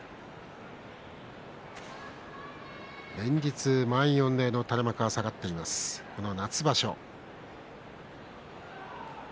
連日、満員御礼の垂れ幕が下がっています、この夏場所。